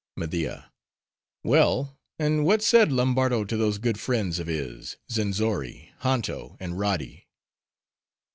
MEDIA—Well: and what said Lombardo to those good friends of his,— Zenzori, Hanto, and Roddi?